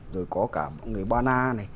rồi có cả người ba na này